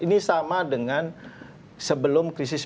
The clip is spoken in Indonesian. ini sama dengan sebelum krisis sembilan puluh tujuh sembilan puluh delapan